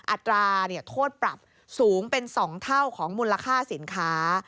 อัตราโทษปรับสูงเป็น๒เท่าของมูลค่าสินค้า